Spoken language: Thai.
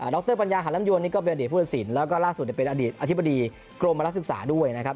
รปัญญาหาลำยวนนี่ก็เป็นอดีตผู้ตัดสินแล้วก็ล่าสุดเป็นอดีตอธิบดีกรมนักศึกษาด้วยนะครับ